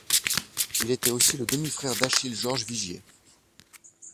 Il était aussi le demi-frère d'Achille Georges Vigier.